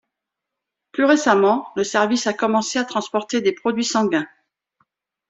Plus récemment, le service a commencé à transporter des produits sanguins.